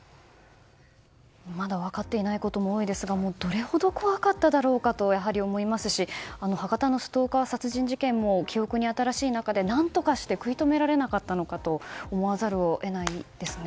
まだ分かっていないことも多いですがどれほど怖かっただろうかと思いますし博多のストーカー殺人事件も記憶に新しい中で、何とかして食い止められなかったのかと思わざるを得ないですね。